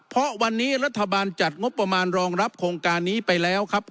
เพราะวันนี้รัฐบาลจัดงบประมาณรองรับโครงการนี้ไปแล้วครับ